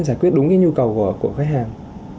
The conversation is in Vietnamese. giải quyết đúng cái nhu cầu của khách hàng